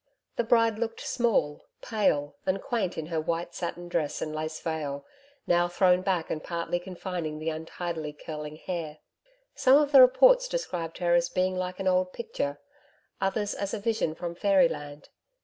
The bride looked small, pale, and quaint in her white satin dress and lace veil, now thrown back and partly confining the untidily curling hair. Some of the reports described her as being like an old picture; others as a vision from Fairyland.